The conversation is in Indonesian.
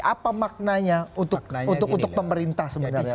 apa maknanya untuk pemerintah sebenarnya